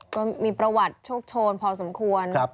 ก็มีประวัติโชคโชนพอสมควร